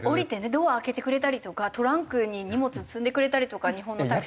ドア開けてくれたりとかトランクに荷物積んでくれたりとか日本のタクシー。